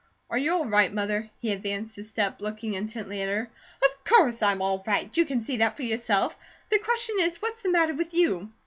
"Are you all right, Mother?" He advanced a step, looking intently at her. "Of course I'm all right! You can see that for yourself. The question is, what's the matter with you?"